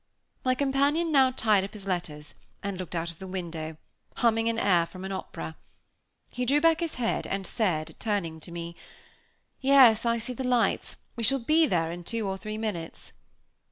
My companion now tied up his letters, and looked out of the window, humming an air from an opera. He drew back his head, and said, turning to me: "Yes, I see the lights; we shall be there in two or three minutes."